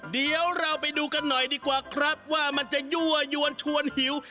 เดี๋ยวเราไปดูกันหน่อยดีกว่าครับว่ามันจะยั่วยวนชวนหิว